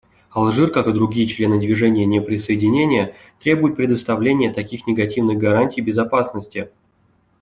Алжир, как и другие члены Движения неприсоединения, требует предоставления таких негативных гарантий безопасности.